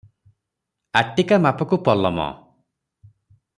ଆଟିକାମାପକୁ ପଲମ ।